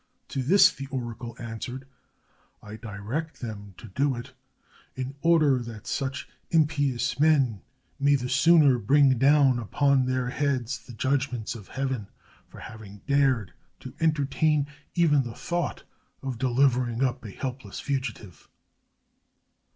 To this the oracle answered :— "I direct them to do it, in order that such impious men may the sooner bring down upon their heads the judgments of heaven for having dared to entertain even the thought of delivering up a helpless fugitive."